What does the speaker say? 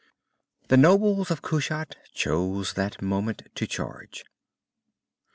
The nobles of Kushat chose that moment to charge.